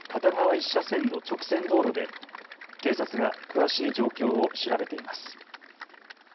１車線の直線道路で警察が詳しい状況を調べています。